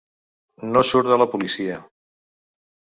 No surt de la policia.